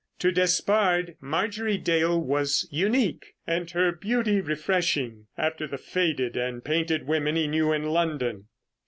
To Despard, Marjorie Dale was unique, and her beauty refreshing after the faded and painted women he knew in London.